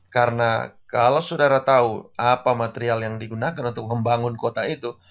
karena kalau saudara tahu apa material yang digunakan untuk membangun kota itu